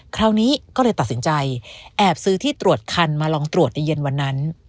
คราวนี้ก็เลยตัดสินใจแอบซื้อที่ตรวจคันมาลองตรวจในเย็นวันนั้น